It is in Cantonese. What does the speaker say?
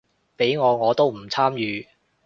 畀我我都唔參與